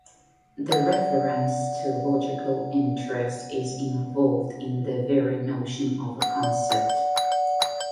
The reference to logical interest is involved in the very notion of a concept.